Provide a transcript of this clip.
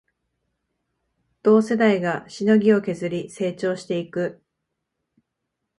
同世代がしのぎを削り成長していく